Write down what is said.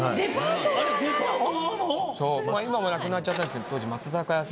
今もうなくなっちゃったんですけど。